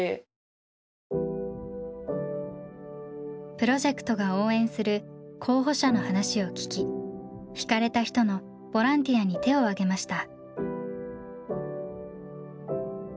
プロジェクトが応援する候補者の話を聞き惹かれた人のボランティアに手をあげました。